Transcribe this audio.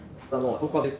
そうです。